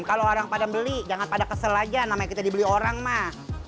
kalau orang pada beli jangan pada kesel aja namanya kita dibeli orang mah